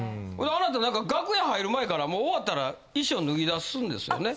あなた何か楽屋入る前からもう終わったら衣装脱ぎ出すんですよね？